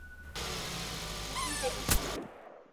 নতুন টেবিল সাজাও।